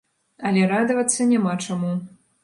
Але радавацца няма чаму.